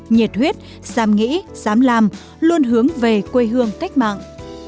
nhiệt huyết dám nghĩ dám làm luôn hướng về quê hương cách mạng